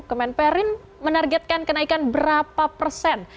kemenperin menargetkan kenaikan berapa persen